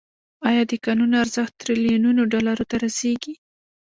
آیا د کانونو ارزښت تریلیونونو ډالرو ته رسیږي؟